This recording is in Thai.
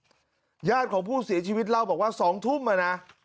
ญาติของผู้เสียชีวิตเล่าบอกว่า๒ทุ่มอ่ะนะ